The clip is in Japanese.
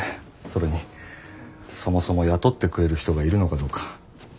それにそもそも雇ってくれる人がいるのかどうか。